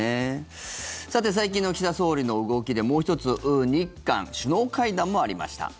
さて最近の岸田総理の動きでもう１つ日韓首脳会談もありました。